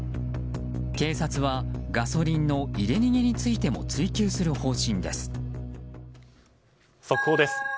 警察はガソリンの入れ逃げについても追及する方針です。